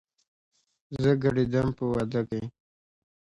زه ګډېدم په وادۀ کې